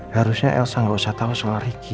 harusnya elsa gak usah tau soal riki